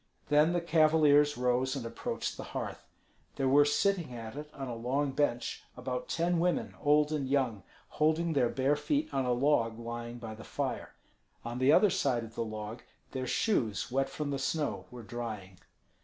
Then the cavaliers rose and approached the hearth. There were sitting at it, on a long bench, about ten women, old and young, holding their bare feet on a log lying by the fire. On the other side of the log their shoes wet from the snow were drying.